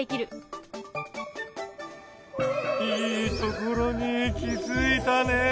いいところに気付いたね？